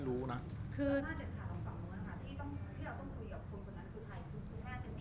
รูปนั้นผมก็เป็นคนถ่ายเองเคลียร์กับเรา